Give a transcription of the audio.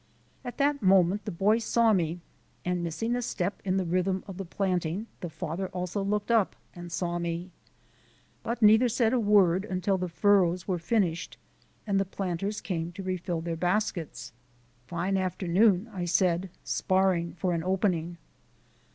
At that moment the boy saw me and, missing a step in the rhythm of the planting, the father also looked up and saw me. But neither said a word until the furrows were finished, and the planters came to refill their baskets. "Fine afternoon," I said, sparring for an opening.